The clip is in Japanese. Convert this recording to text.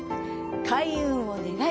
開運を願い